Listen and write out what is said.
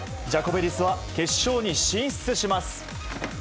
ジャコベリスは決勝に進出します。